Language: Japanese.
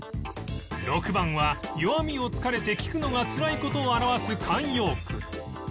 ６番は弱みを突かれて聞くのがつらい事を表す慣用句